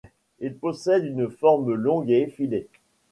Il possède une forme longue et effilée.